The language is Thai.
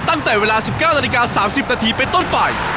ตั้งแต่เวลา๑๙๓๐นไปต้นไป